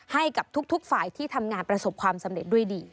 ให้กับทุกฝ่ายที่ทำงานประสบความสำเร็จด้วยดี